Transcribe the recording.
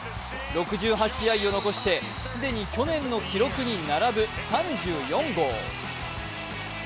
６８試合を残して既に去年の記録に並ぶ３４号。